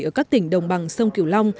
ở các tỉnh đồng bằng sông kiều long